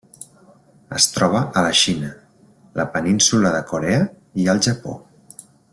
Es troba a la Xina, la Península de Corea i el Japó.